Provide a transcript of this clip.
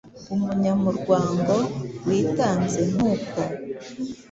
Umunyamurwango witanzenkuko